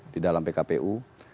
di dalam pkpu